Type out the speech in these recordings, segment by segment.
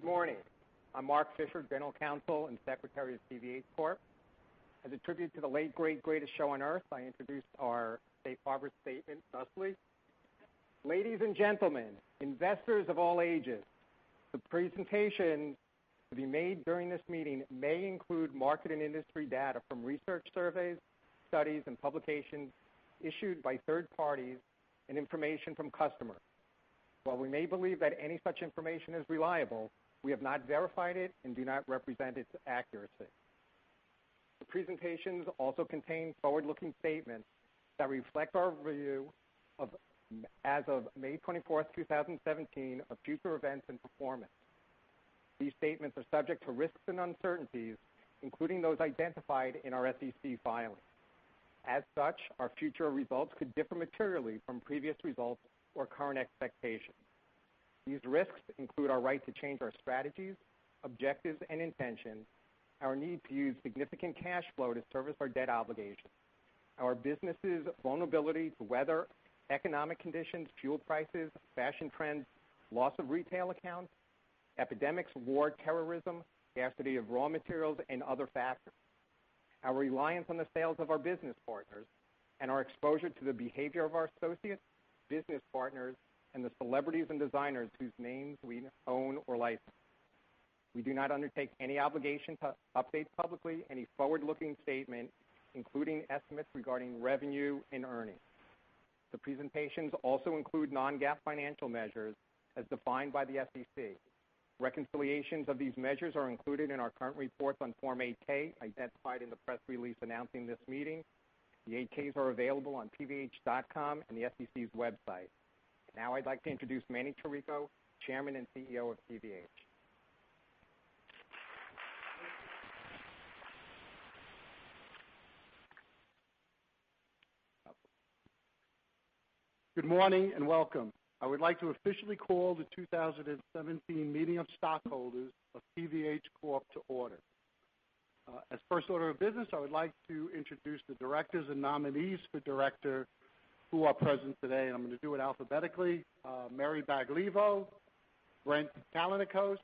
Good morning. I'm Mark Fischer, General Counsel and Secretary of PVH Corp. As a tribute to the late great greatest show on earth, I introduce our safe harbor statement thusly. Ladies and gentlemen, investors of all ages, the presentation to be made during this meeting may include market and industry data from research surveys, studies, and publications issued by third parties, and information from customers. While we may believe that any such information is reliable, we have not verified it and do not represent its accuracy. The presentations also contain forward-looking statements that reflect our view as of May 24th, 2017, of future events and performance. These statements are subject to risks and uncertainties, including those identified in our SEC filings. As such, our future results could differ materially from previous results or current expectations. These risks include our right to change our strategies, objectives, and intentions, our need to use significant cash flow to service our debt obligations, our business' vulnerability to weather, economic conditions, fuel prices, fashion trends, loss of retail accounts, epidemics, war, terrorism, scarcity of raw materials, and other factors, our reliance on the sales of our business partners, and our exposure to the behavior of our associates, business partners, and the celebrities and designers whose names we own or license. We do not undertake any obligation to update publicly any forward-looking statement, including estimates regarding revenue and earnings. The presentations also include non-GAAP financial measures as defined by the SEC. Reconciliations of these measures are included in our current reports on Form 8-K, identified in the press release announcing this meeting. The 8-Ks are available on pvh.com and the SEC's website. Now I'd like to introduce Manny Chirico, Chairman and CEO of PVH. Good morning and welcome. I would like to officially call the 2017 meeting of stockholders of PVH Corp to order. As first order of business, I would like to introduce the directors and nominees for director who are present today, and I'm going to do it alphabetically. Mary Baglivo, Brent Callinicos,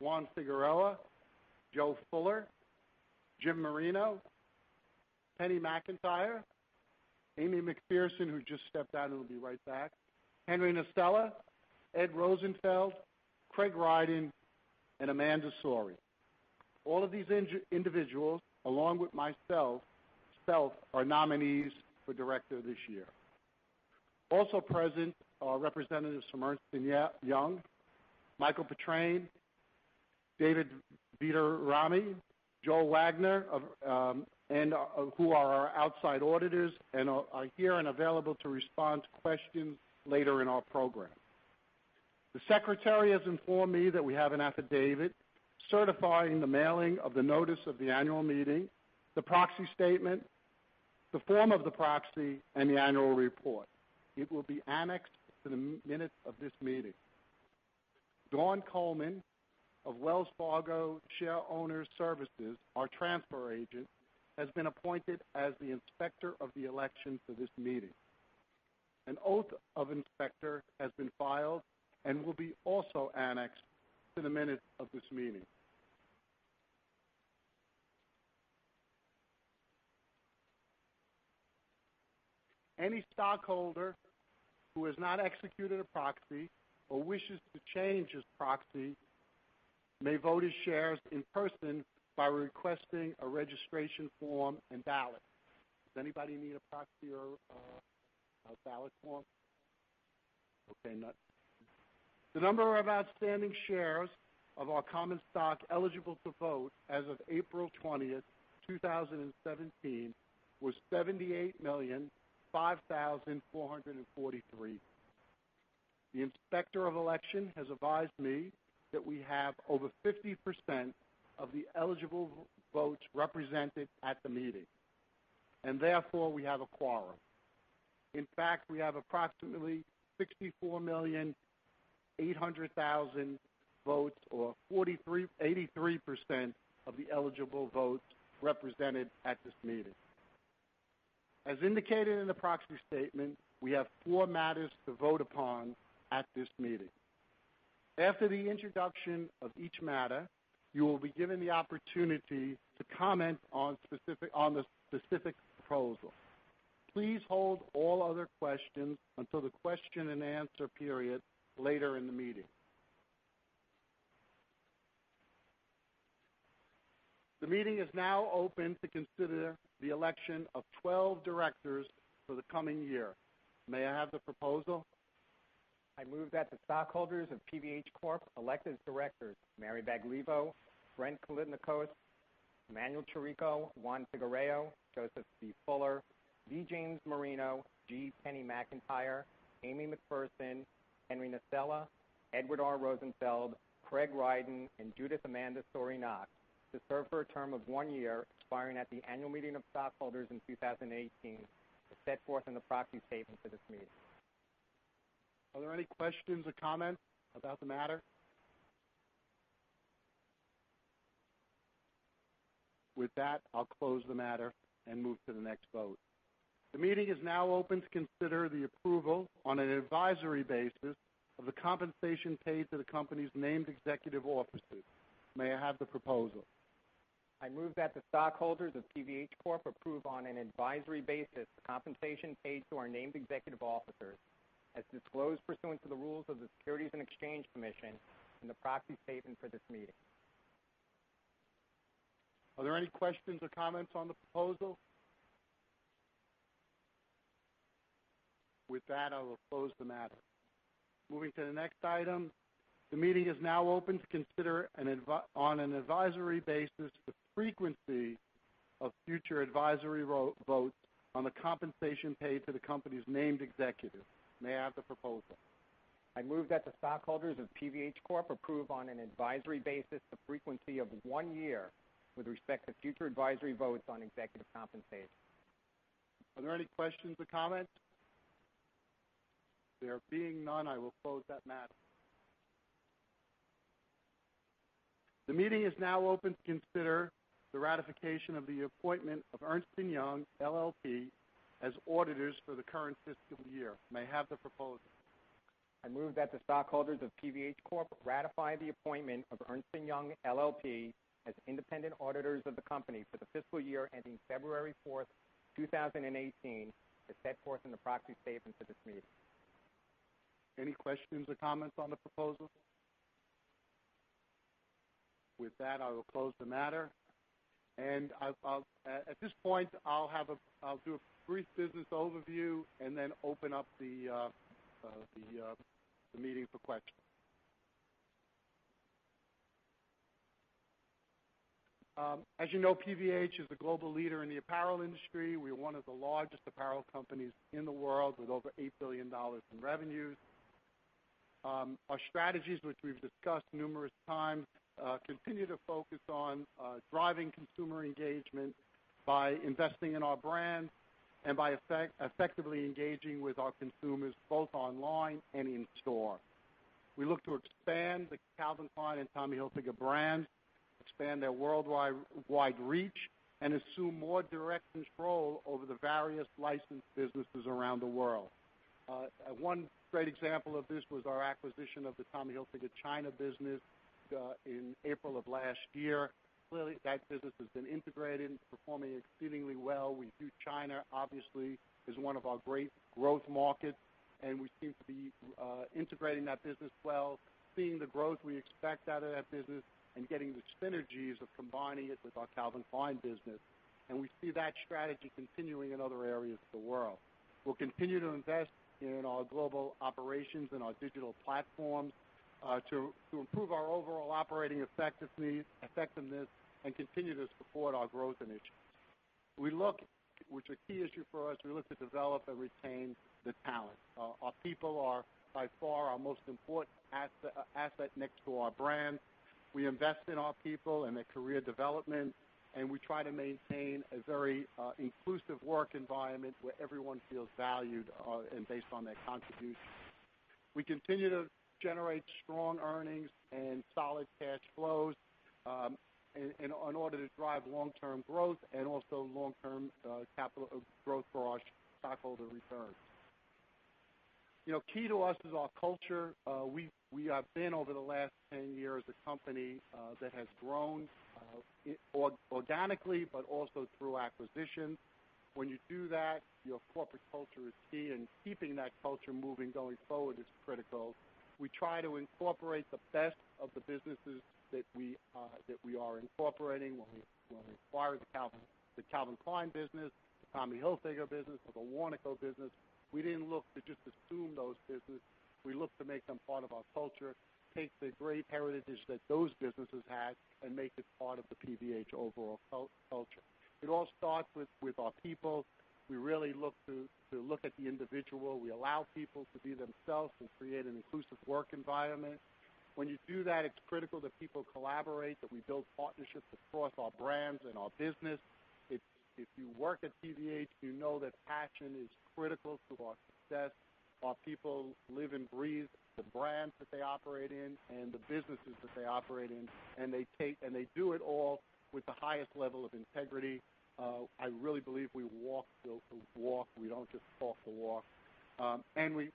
Juan Figuereo, Joe Fuller, Jim Marino, Penny McIntyre, Amy McPherson, who just stepped out and will be right back, Henry Nasella, Ed Rosenfeld, Craig Rydin, and Amanda Sourry. All of these individuals, along with myself, are nominees for director this year. Also present are representatives from Ernst & Young, Michael Petraine, David Veterami, Joel Wagner, who are our outside auditors and are here and available to respond to questions later in our program. The secretary has informed me that we have an affidavit certifying the mailing of the notice of the annual meeting, the proxy statement, the form of the proxy, and the annual report. It will be annexed to the minutes of this meeting. Dawn Coleman of Wells Fargo Shareowner Services, our transfer agent, has been appointed as the inspector of the election for this meeting. An oath of inspector has been filed and will be also annexed to the minutes of this meeting. Any stockholder who has not executed a proxy or wishes to change his proxy may vote his shares in person by requesting a registration form and ballot. Does anybody need a proxy or a ballot form? Okay, none. The number of outstanding shares of our common stock eligible to vote as of April 20th, 2017, was 78,005,443. The inspector of election has advised me that we have over 50% of the eligible votes represented at the meeting, and therefore we have a quorum. In fact, we have approximately 64,800,000 votes, or 83% of the eligible votes represented at this meeting. As indicated in the proxy statement, we have four matters to vote upon at this meeting. After the introduction of each matter, you will be given the opportunity to comment on the specific proposal. Please hold all other questions until the question and answer period later in the meeting. The meeting is now open to consider the election of 12 directors for the coming year. May I have the proposal? I move that the stockholders of PVH Corp. elect as directors Mary Baglivo, Brent Callinicos, Emanuel Chirico, Juan Figuereo, Joseph B. Fuller, V. James Marino, G. Penny McIntyre, Amy McPherson, Henry Nasella, Edward R. Rosenfeld, Craig Rydin, and Judith Amanda Sourry Knox, to serve for a term of one year, expiring at the annual meeting of stockholders in 2018, as set forth in the proxy statement for this meeting. Are there any questions or comments about the matter? With that, I'll close the matter and move to the next vote. The meeting is now open to consider the approval on an advisory basis of the compensation paid to the company's named executive officers. May I have the proposal? I move that the stockholders of PVH Corp. approve on an advisory basis the compensation paid to our named executive officers as disclosed pursuant to the rules of the Securities and Exchange Commission and the proxy statement for this meeting. Are there any questions or comments on the proposal? With that, I will close the matter. Moving to the next item. The meeting is now open to consider on an advisory basis the frequency of future advisory votes on the compensation paid to the company's named executives. May I have the proposal? I move that the stockholders of PVH Corp. approve on an advisory basis the frequency of one year with respect to future advisory votes on executive compensation. Are there any questions or comments? There being none, I will close that matter. The meeting is now open to consider the ratification of the appointment of Ernst & Young LLP as auditors for the current fiscal year. May I have the proposal? I move that the stockholders of PVH Corp. ratify the appointment of Ernst & Young LLP as independent auditors of the company for the fiscal year ending February 4th, 2018, as set forth in the proxy statement for this meeting. Any questions or comments on the proposal? With that, I will close the matter. At this point, I'll do a brief business overview and then open up the meeting for questions. As you know, PVH is a global leader in the apparel industry. We are one of the largest apparel companies in the world with over $8 billion in revenues. Our strategies, which we've discussed numerous times, continue to focus on driving consumer engagement by investing in our brands and by effectively engaging with our consumers, both online and in store. We look to expand the Calvin Klein and Tommy Hilfiger brands, expand their worldwide reach, and assume more direct control over the various licensed businesses around the world. One great example of this was our acquisition of the Tommy Hilfiger China business in April of last year. Clearly, that business has been integrated and is performing exceedingly well. We view China, obviously, as one of our great growth markets, we seem to be integrating that business well, seeing the growth we expect out of that business, and getting the synergies of combining it with our Calvin Klein business. We see that strategy continuing in other areas of the world. We'll continue to invest in our global operations and our digital platforms to improve our overall operating effectiveness and continue to support our growth initiatives. Which are key issue for us, we look to develop and retain the talent. Our people are by far our most important asset next to our brand. We invest in our people and their career development, and we try to maintain a very inclusive work environment where everyone feels valued and based on their contribution. We continue to generate strong earnings and solid cash flows in order to drive long-term growth and also long-term capital growth for our stockholder returns. Key to us is our culture. We have been, over the last 10 years, a company that has grown organically but also through acquisition. When you do that, your corporate culture is key, and keeping that culture moving going forward is critical. We try to incorporate the best of the businesses that we are incorporating. When we acquired the Calvin Klein business, the Tommy Hilfiger business, or the Warnaco business, we didn't look to just assume those business. We looked to make them part of our culture, take the great heritage that those businesses had, and make it part of the PVH overall culture. It all starts with our people. We really look to look at the individual. We allow people to be themselves and create an inclusive work environment. When you do that, it's critical that people collaborate, that we build partnerships across our brands and our business. If you work at PVH, you know that passion is critical to our success. Our people live and breathe the brands that they operate in and the businesses that they operate in. They do it all with the highest level of integrity. I really believe we walk the walk. We don't just talk the walk.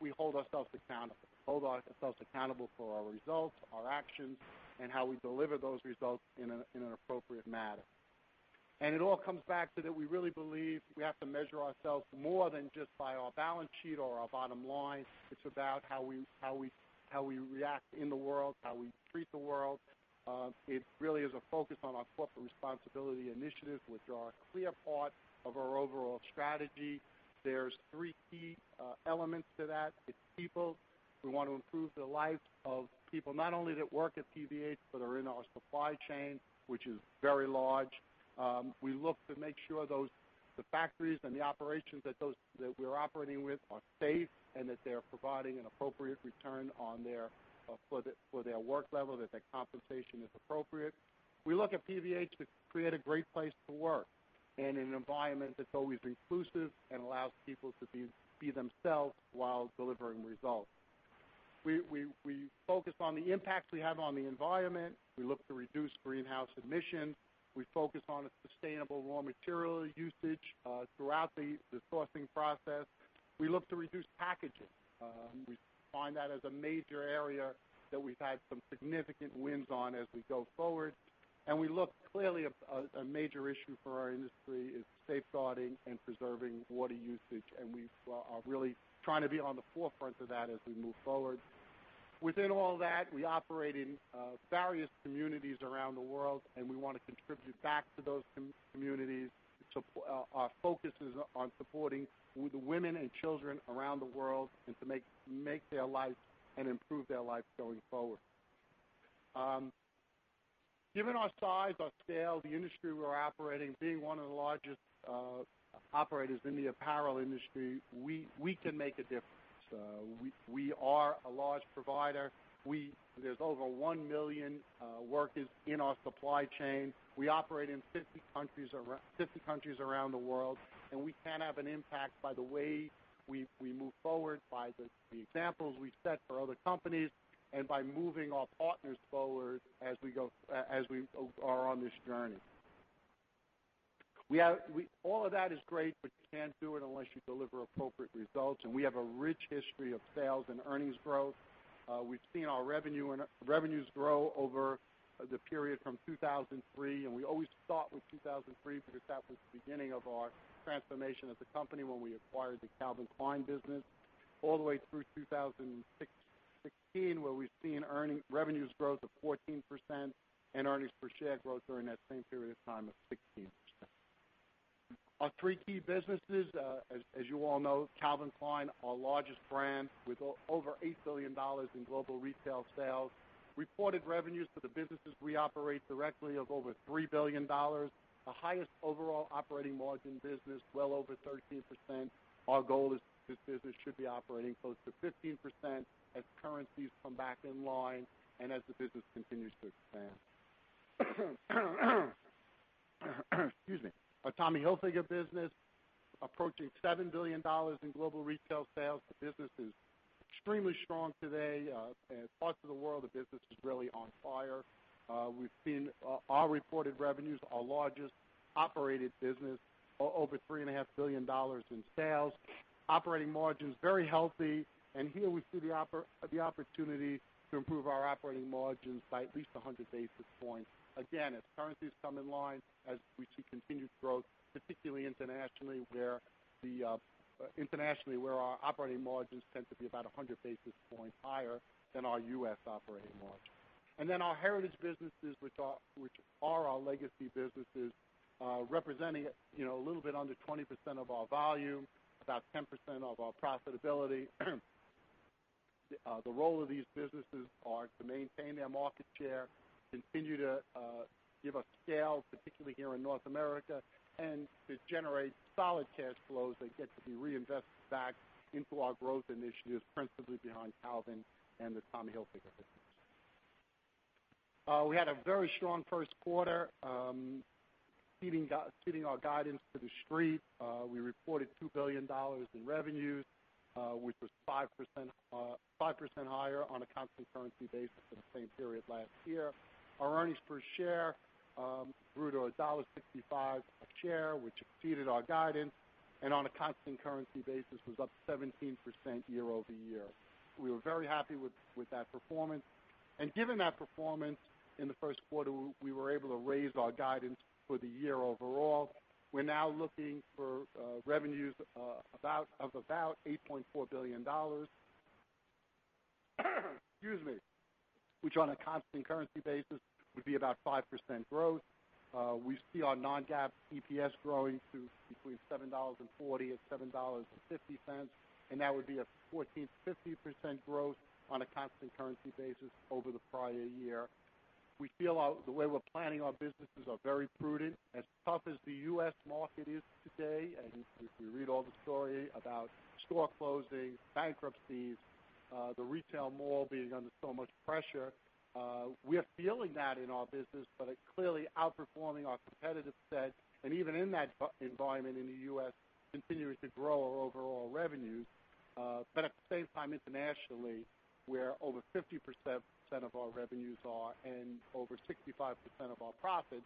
We hold ourselves accountable. Hold ourselves accountable for our results, our actions, and how we deliver those results in an appropriate manner. It all comes back to that we really believe we have to measure ourselves more than just by our balance sheet or our bottom line. It's about how we react in the world, how we treat the world. It really is a focus on our corporate responsibility initiatives, which are a clear part of our overall strategy. There's three key elements to that. It's people. We want to improve the lives of people, not only that work at PVH, but are in our supply chain, which is very large. We look to make sure the factories and the operations that we're operating with are safe and that they're providing an appropriate return for their work level, that their compensation is appropriate. We look at PVH to create a great place to work, and in an environment that's always inclusive and allows people to be themselves while delivering results. We focus on the impacts we have on the environment. We look to reduce greenhouse emissions. We focus on a sustainable raw material usage throughout the sourcing process. We look to reduce packaging. We find that as a major area that we've had some significant wins on as we go forward. Clearly a major issue for our industry is safeguarding and preserving water usage, and we are really trying to be on the forefront of that as we move forward. Within all that, we operate in various communities around the world, we want to contribute back to those communities. Our focus is on supporting the women and children around the world and to make their lives and improve their lives going forward. Given our size, our scale, the industry we're operating, being one of the largest operators in the apparel industry, we can make a difference. We are a large provider. There's over 1 million workers in our supply chain. We operate in 50 countries around the world, we can have an impact by the way we move forward, by the examples we set for other companies, and by moving our partners forward as we are on this journey. All of that is great, you can't do it unless you deliver appropriate results, we have a rich history of sales and earnings growth. We've seen our revenues grow over the period from 2003, we always start with 2003 because that was the beginning of our transformation as a company when we acquired the Calvin Klein business, all the way through 2016, where we've seen revenues growth of 14% and earnings per share growth during that same period of time of 16%. Our three key businesses, as you all know, Calvin Klein, our largest brand, with over $8 billion in global retail sales. Reported revenues for the businesses we operate directly of over $3 billion. The highest overall operating margin business, well over 13%. Our goal is this business should be operating close to 15% as currencies come back in line and as the business continues to expand. Excuse me. Our Tommy Hilfiger business, approaching $7 billion in global retail sales. The business is extremely strong today. In parts of the world, the business is really on fire. We've seen our reported revenues, our largest operated business, over $3.5 billion in sales. Operating margins very healthy, and here we see the opportunity to improve our operating margins by at least 100 basis points. Again, as currencies come in line, as we see continued growth, particularly internationally, where our operating margins tend to be about 100 basis points higher than our U.S. operating margin. Our heritage businesses, which are our legacy businesses, representing a little bit under 20% of our volume, about 10% of our profitability. The role of these businesses are to maintain their market share, continue to give us scale, particularly here in North America, and to generate solid cash flows that get to be reinvested back into our growth initiatives, principally behind Calvin and the Tommy Hilfiger business. We had a very strong first quarter, beating our guidance to The Street. We reported $2 billion in revenues, which was 5% higher on a constant currency basis than the same period last year. Our earnings per share grew to $1.65 a share, which exceeded our guidance, and on a constant currency basis was up 17% year-over-year. We were very happy with that performance. Given that performance in the first quarter, we were able to raise our guidance for the year overall. We're now looking for revenues of about $8.4 billion. Excuse me. Which on a constant currency basis would be about 5% growth. We see our non-GAAP EPS growing to between $7.40 and $7.50, and that would be a 14%-15% growth on a constant currency basis over the prior year. We feel the way we're planning our businesses are very prudent. As tough as the U.S. market is today, and if you read all the story about store closings, bankruptcies, the retail mall being under so much pressure, we're feeling that in our business, but it's clearly outperforming our competitive set, and even in that environment in the U.S., continuing to grow our overall revenues. At the same time, internationally, where over 50% of our revenues are and over 65% of our profits,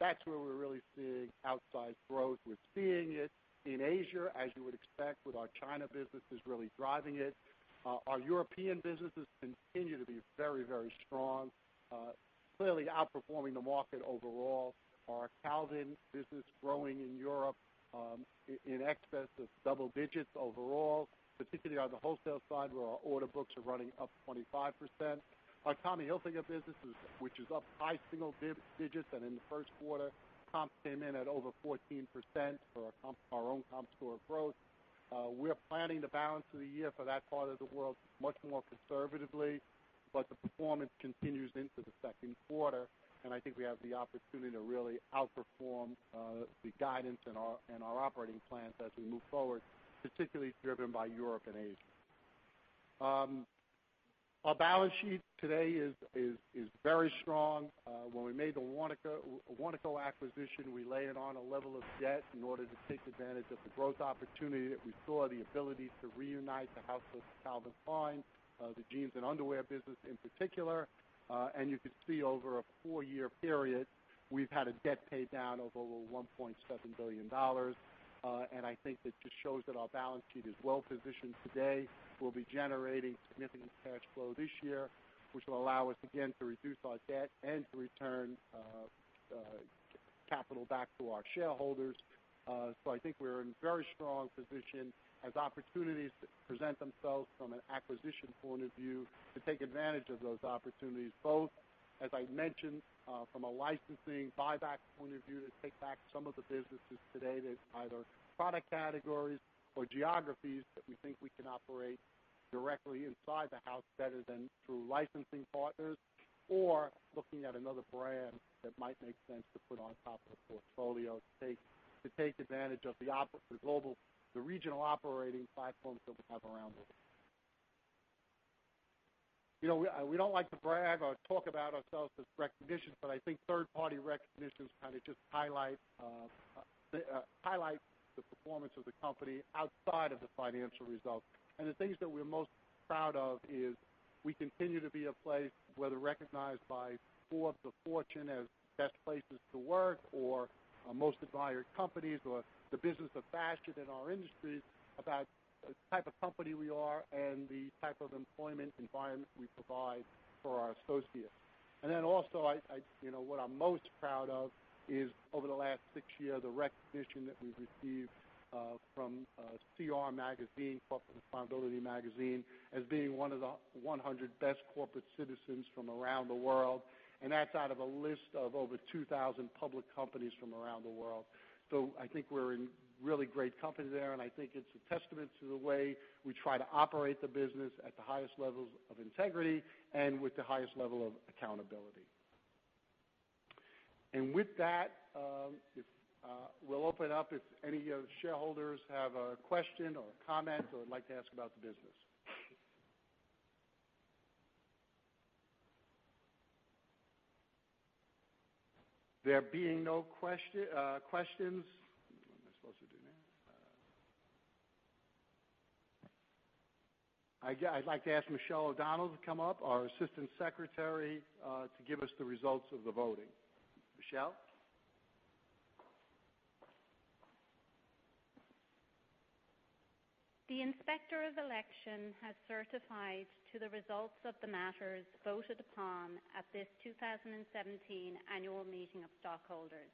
that's where we're really seeing outsized growth. We're seeing it in Asia, as you would expect, with our China businesses really driving it. Our European businesses continue to be very strong, clearly outperforming the market overall. Our Calvin business growing in Europe in excess of double digits overall, particularly on the wholesale side, where our order books are running up 25%. Our Tommy Hilfiger business, which is up high single digits and in the first quarter, comp came in at over 14% for our own comp store growth. We're planning the balance of the year for that part of the world much more conservatively, the performance continues into the second quarter, I think we have the opportunity to really outperform the guidance and our operating plans as we move forward, particularly driven by Europe and Asia. Our balance sheet today is very strong. When we made the Warnaco acquisition, we layered on a level of debt in order to take advantage of the growth opportunity that we saw, the ability to reunite the house of Calvin Klein, the jeans and underwear business in particular. You can see over a four-year period, we've had a debt pay down of over $1.7 billion. I think that just shows that our balance sheet is well-positioned today. We'll be generating significant cash flow this year, which will allow us again to reduce our debt and to return capital back to our shareholders. I think we're in a very strong position as opportunities present themselves from an acquisition point of view to take advantage of those opportunities, both, as I mentioned, from a licensing buyback point of view, to take back some of the businesses today that are either product categories or geographies that we think we can operate directly inside the house better than through licensing partners. Looking at another brand that might make sense to put on top of the portfolio to take advantage of the regional operating platforms that we have around the world. We don't like to brag or talk about ourselves as recognitions, I think third-party recognitions kind of just highlight the performance of the company outside of the financial results. The things that we're most proud of is we continue to be a place, whether recognized by four of the Fortune] as best places to work, or most admired companies, or The Business of Fashion in our industry, about the type of company we are and the type of employment environment we provide for our associates. Also, what I'm most proud of is over the last six years, the recognition that we've received from CR Magazine, Corporate Responsibility Magazine, as being one of the 100 best corporate citizens from around the world. That's out of a list of over 2,000 public companies from around the world. I think we're in really great company there, I think it's a testament to the way we try to operate the business at the highest levels of integrity and with the highest level of accountability. With that, we'll open up if any shareholders have a question or comment, or would like to ask about the business. There being no questions, what am I supposed to do now? I'd like to ask Michelle O'Donnell to come up, our Assistant Secretary, to give us the results of the voting. Michelle? The Inspector of Election has certified to the results of the matters voted upon at this 2017 Annual Meeting of Stockholders.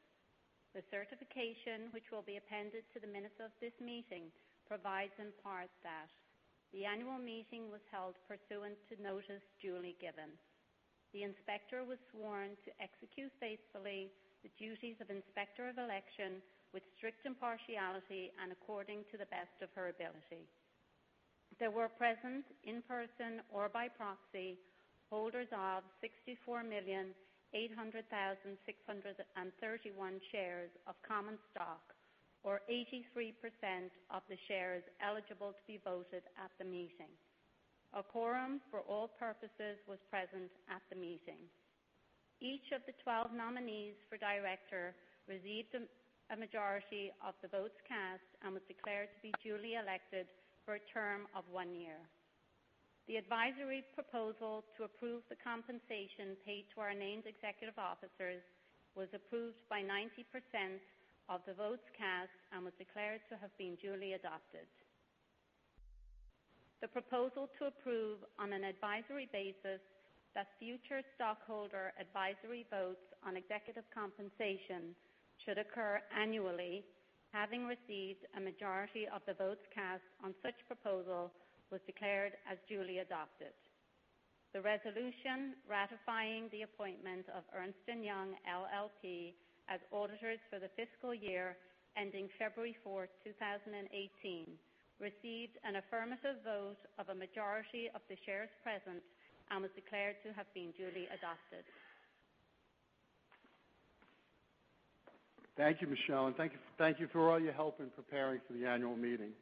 The certification, which will be appended to the minutes of this meeting, provides in part that the annual meeting was held pursuant to notice duly given. The inspector was sworn to execute faithfully the duties of Inspector of Election with strict impartiality and according to the best of her ability. There were present in person or by proxy, holders of 64,800,631 shares of common stock, or 83% of the shares eligible to be voted at the meeting. A quorum for all purposes was present at the meeting. Each of the 12 nominees for director received a majority of the votes cast and was declared to be duly elected for a term of one year. The advisory proposal to approve the compensation paid to our named executive officers was approved by 90% of the votes cast and was declared to have been duly adopted. The proposal to approve on an advisory basis that future stockholder advisory votes on executive compensation should occur annually, having received a majority of the votes cast on such proposal, was declared as duly adopted. The resolution ratifying the appointment of Ernst & Young LLP as auditors for the fiscal year ending February 4th, 2018, received an affirmative vote of a majority of the shares present and was declared to have been duly adopted. Thank you, Michelle. Thank you for all your help in preparing for the annual meeting.